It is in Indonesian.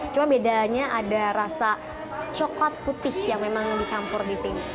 cuma bedanya ada rasa coklat putih yang memang dicampur di sini